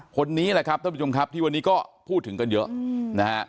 คนนี้แหละครับท่านผู้ชมครับที่วันนี้ก็พูดถึงกันเยอะนะฮะ